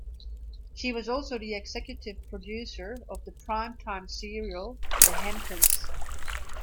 She was also the executive producer of the primetime serial "The Hamptons".